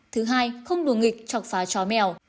thứ hai không đùa nghịch chọc phá chó mèo